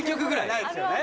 ないですよね？